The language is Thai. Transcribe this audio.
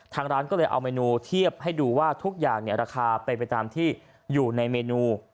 ทางร้านก็เลยเอาเมนูเทียบให้ดูว่าทุกอย่างราคาเป็นไปตามที่อยู่ในเมนู